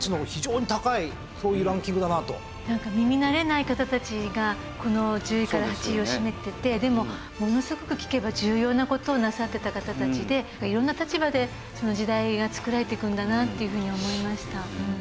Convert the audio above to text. なんか耳慣れない方たちがこの１０位から８位を占めててでもものすごく聞けば重要な事をなさってた方たちで色んな立場でその時代が作られていくんだなというふうに思いました。